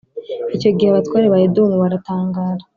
Icyo gihe abatware ba Edomu baratangara